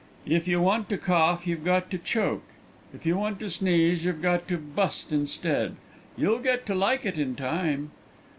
If you want to cough you've got to choke; if you want to sneeze you've got to bust instead. You'll get to like it in time."